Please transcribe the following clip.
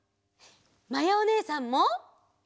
まやおねえさんも！